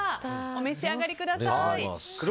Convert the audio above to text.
お召し上がりください。